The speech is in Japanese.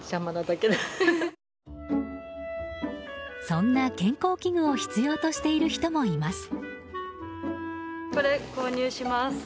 そんな健康器具を必要としている人もいます。